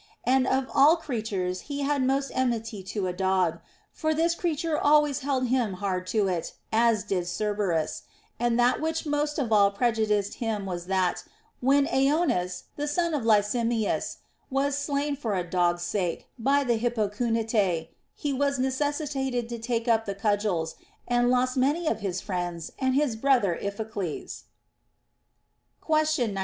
And of all creatures he had most enmity to a dog, for this creature always held him hard to it, as did Cerberus ; and that which most of all prejudiced him was that, when Oeonus, the son of Licymnius, was slain for a dog's sake by the Hippocoontidae, he was necessitated to take up the cudgels, and lost many of his friends and his brother Iphicles. Question 91.